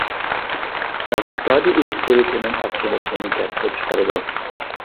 ئىقتىسادىي ئېشىش سۈرئىتىنىڭ ئاستىلىشىنى كەلتۈرۈپ چىقىرىدۇ.